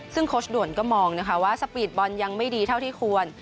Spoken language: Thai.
ซึ่งโค้ชด่วนก็มองนะคะว่าสปีดบอลยังไม่ดีเท่าที่ควร